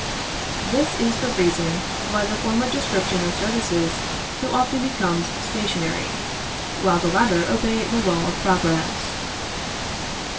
This is the reason why the former description of services so often become stationary, while the latter obey the law of progress.